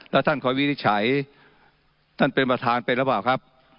แล้วท่านคอยวินิจฉัยท่านเป็นประธานไปหรือเปล่าครับ